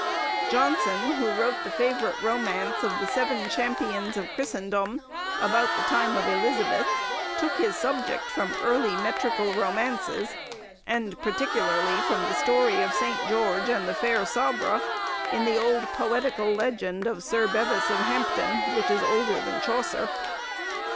Johnson, who wrote the favourite romance of the 'Seven Champions of Christendome,' about the time of Elizabeth, took his subject from early metrical romances, and particularly from the story of St. George and the fair Sabra, in the old poetical legend of Sir Bevis of Hampton, which is older than Chaucer.